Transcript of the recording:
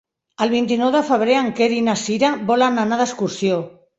El vint-i-nou de febrer en Quer i na Cira volen anar d'excursió.